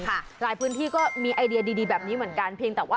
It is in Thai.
หลายพื้นที่ก็มีไอเดียดีแบบนี้เหมือนกัน